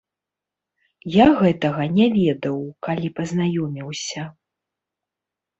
Я гэтага не ведаў, калі пазнаёміўся.